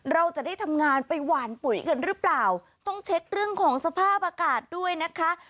เราจะได้ทำงานไปหวานปุ๋ยกันหรือเปล่าต้องเช็คเรื่องของสภาพอากาศด้วยนะคะ